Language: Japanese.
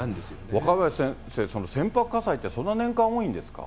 若林先生、船舶火災ってそんなに年間多いんですか？